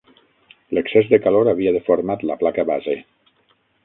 L'excés de calor havia deformat la placa base.